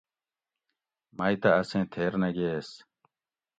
مئ تہ اسیں تھیر نہ گیس